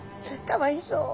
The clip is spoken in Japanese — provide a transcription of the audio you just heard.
かわいそう。